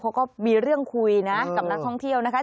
เขาก็มีเรื่องคุยนะกับนักท่องเที่ยวนะคะ